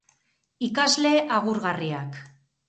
Ikasle agurgarriak.